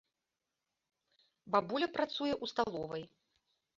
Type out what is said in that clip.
Бабуля працуе ў сталовай.